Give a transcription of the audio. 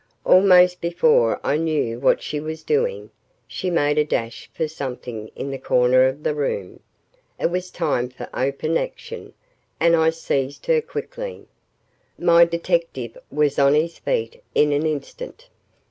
Almost before I knew what she was doing, she made a dash for something in the corner of the room. It was time for open action, and I seized her quickly. My detective was on his feet in an instant.